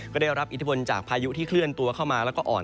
ก็ได้รับอิทธิพลจากพายุที่เคลื่อนตัวเข้ามาแล้วก็อ่อน